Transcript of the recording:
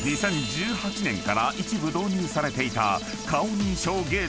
［２０１８年から一部導入されていた］